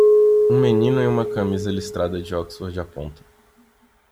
Um menino em uma camisa listrada de oxford aponta.